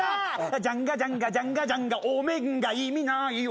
「ジャンガジャンガジャンガジャンガ」「お面が意味ないよ」